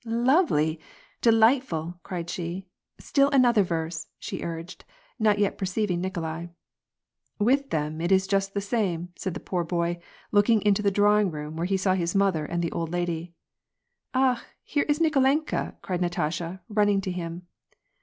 " Lovely ! delightful !" cried she. " Still another verse," she urged, not yet perceiving Nikolai. " With them, it is just the same," said the poor boy, look ing into the drawing room Nwhere he saw his mother and the old lady. "Ah I and here is Nikolenka !" cried Natasha, running to him.